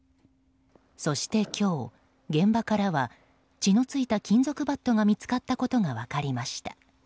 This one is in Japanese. そして今日、現場からは血の付いた金属バットが見つかったことが分かりました。